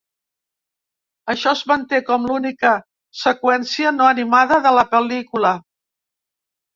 Això es manté com l'única seqüència no animada de la pel·lícula.